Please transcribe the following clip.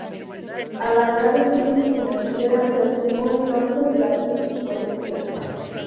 A la grave crisis financiera se sumó entonces la crisis política.